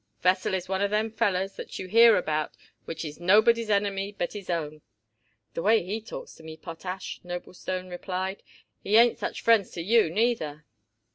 Vesell is one of them fellers what you hear about which is nobody's enemy but his own." "The way he talks to me, Potash," Noblestone replied, "he ain't such friends to you neither."